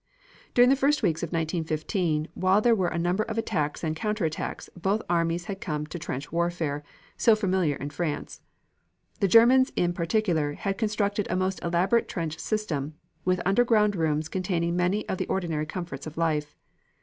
During the first weeks of 1915 while there were a number of attacks and counter attacks both armies had come to the trench warfare, so familiar in France. The Germans in particular had constructed a most elaborate trench system, with underground rooms containing many of the ordinary comforts of life.